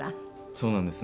そうなんです。